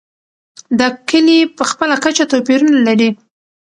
دا کلي په خپله کچه توپیرونه لري.